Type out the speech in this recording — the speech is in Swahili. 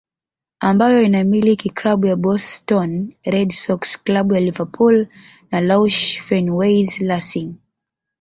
Ambayo inamiliki Klabu ya Boston Red Sox klabu ya Liverpool na Roush Fenways Racing